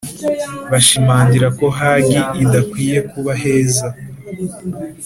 Bashimangira ko Hagi idakwiye kuba heza